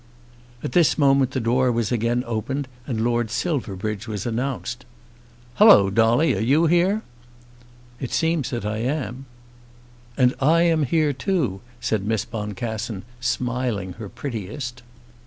At this moment the door was again opened and Lord Silverbridge was announced. "Halloa, Dolly, are you here?" "It seems that I am." "And I am here too," said Miss Boncassen, smiling her prettiest.